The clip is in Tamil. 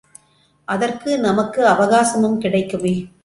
அதற்கு நமக்கு அவகாசமும் கிடைக்குமே.